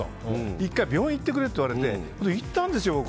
１回、病院に行ってくれと言われて行ったんですよ。